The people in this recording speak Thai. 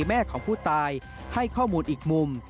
แม่ของผู้ตายให้ข้อมูลอีกมุม